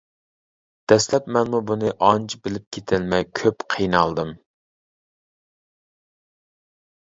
دەسلەپ مەنمۇ بۇنى ئانچە بىلىپ كېتەلمەي كۆپ قىينالدىم.